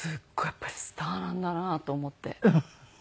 やっぱりスターなんだなと思って。